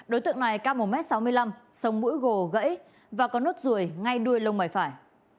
đối tượng này cao một m sáu mươi năm sống mũi gồ gãy và có nốt ruồi ngay đuôi lông mày phải